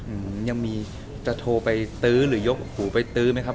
อืมยังมีจะโทรไปซื้อหรือยกหูไปตื้อไหมครับ